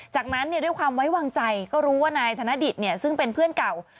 จากนั้นด้วยความไว้วางใจก็รู้ว่านายธนดิตซึ่งเป็นเพื่อนเก่า